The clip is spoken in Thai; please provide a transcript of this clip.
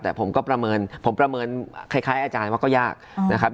แต่ผมก็ประเมินผมประเมินคล้ายอาจารย์ว่าก็ยากนะครับ